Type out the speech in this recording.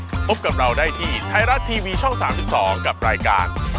พบกับเราได้ที่ไทยรัฐทีวีช่อง๓๒กับรายการ